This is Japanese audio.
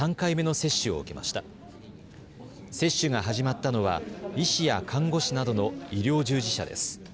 接種が始まったのは医師や看護師などの医療従事者です。